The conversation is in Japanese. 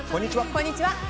こんにちは。